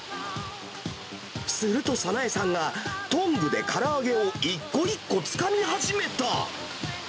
すると、早苗さんがトングでから揚げを一個一個つかみ始めた。